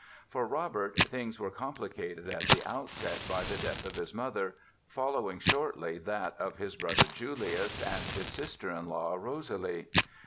For Robert things were complicated at the outset by the death of his mother, following shortly that of his brother, Julius, and his sister in law, Rosalie.